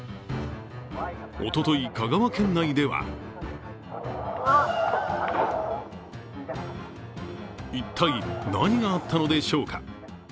おととい、香川県内では一体、何があったのでしょうか。